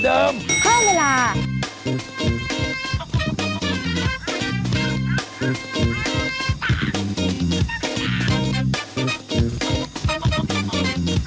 โปรดติดตามตอนต่อไป